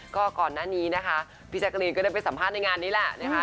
ก็ก่อนหน้านี้นะคะพี่แจ๊กรีนก็ได้ไปสัมภาษณ์ในงานนี้แหละนะคะ